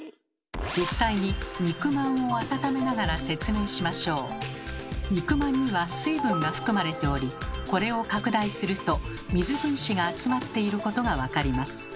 実際に肉まんには水分が含まれておりこれを拡大すると水分子が集まっていることが分かります。